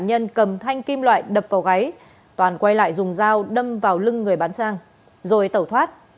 nhân cầm thanh kim loại đập vào gáy toàn quay lại dùng dao đâm vào lưng người bán sang rồi tẩu thoát